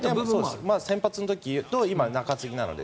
先発の時と今は中継ぎなので。